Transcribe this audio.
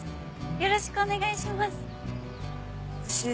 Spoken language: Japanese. よろしくお願いします。